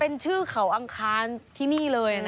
เป็นชื่อเขาอังคารที่นี่เลย